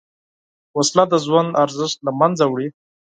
وسله د ژوند ارزښت له منځه وړي